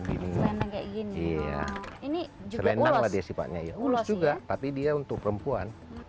iya ini juga ulas juga tapi dia untuk perempuan